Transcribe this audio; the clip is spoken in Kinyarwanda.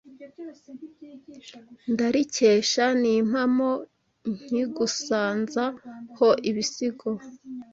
Ndarikesha ni impamo Nkigusanza ho ibisigo